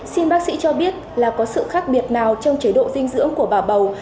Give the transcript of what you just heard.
xin bác sĩ cho biết là có sự khác biệt nào trong chế độ dinh dưỡng của bà bầu